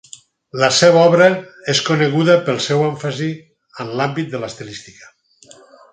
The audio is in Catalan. La seva obra és coneguda pel seu èmfasi en l'àmbit de l'estilística.